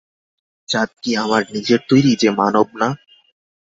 জাত কি আমার নিজের তৈরি যে মানব না?